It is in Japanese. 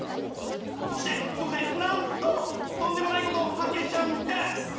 そしてそこでなんととんでもないことを発見しちゃうんです！